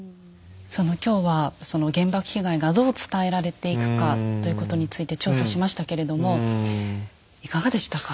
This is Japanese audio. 今日はその原爆被害がどう伝えられていくかということについて調査しましたけれどもいかがでしたか？